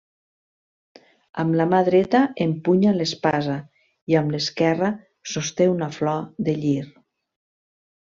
Amb la mà dreta empunya l'espasa, i amb l'esquerra sosté una flor de llir.